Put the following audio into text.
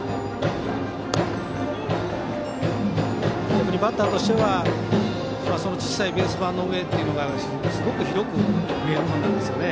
逆にバッターとしては小さいベース板の上というのがすごく広く見えるものなんですね。